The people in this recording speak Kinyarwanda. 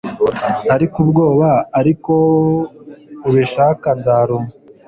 ariko ubwoba, ariko ubishaka. nzaruma